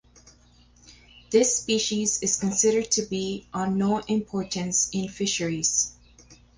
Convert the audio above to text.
This species is considered to be on no importance in fisheries.